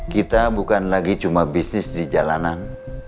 kita bukan lagi cuma bisnis di jalanan